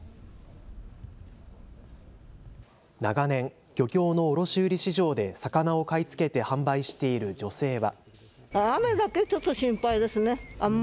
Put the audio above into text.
長年、漁協の卸売市場で魚を買い付けて販売している女性は。